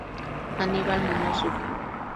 Aníbal Muñoz Duque.